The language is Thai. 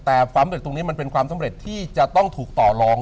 แต่ความเร็จตรงนี้มันเป็นความสำเร็จที่จะต้องถูกต่อลอง